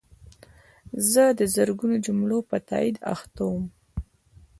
زه د زرګونو جملو په تایید اخته وم.